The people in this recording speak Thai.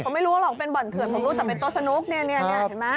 ผมไม่รู้หรอกคือเป็นบ่อนเถือด